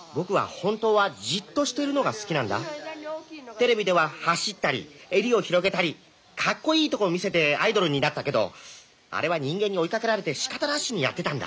「テレビでは走ったり襟を広げたりかっこいいとこ見せてアイドルになったけどあれは人間に追いかけられてしかたなしにやってたんだ」。